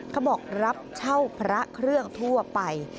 เขาบอกรับเช่าพระเครื่องทั่วไป